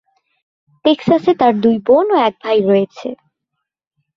টেক্সাসে তাঁর দুই বোন ও এক ভাই রয়েছে।